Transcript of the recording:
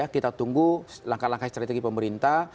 kita tunggu langkah langkah strategi pemerintah